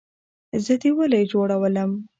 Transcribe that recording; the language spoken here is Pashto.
زه دې ولۍ جوړولم؟